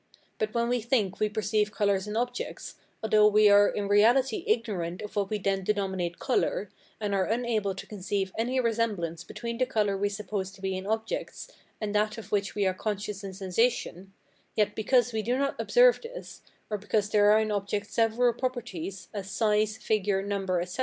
But when we think we perceive colours in objects, although we are in reality ignorant of what we then denominate colour, and are unable to conceive any resemblance between the colour we suppose to be in objects, and that of which we are conscious in sensation, yet because we do not observe this, or because there are in objects several properties, as size, figure, number, etc.